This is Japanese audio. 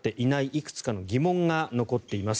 いくつかの疑問が残っています。